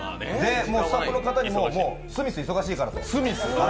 スタッフの方にも、スミス忙しいからと。